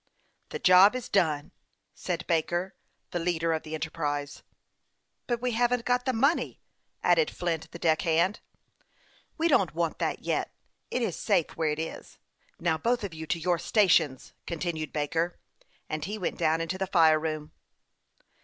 " The job is done," said Baker, the leader of the enterprise. " But we haven't got the money,*' added Flint, the deck hand. " We don't want that yet. It is safe where it is. Now both of you to your stations," continued Baker ; and he went down into the fire room.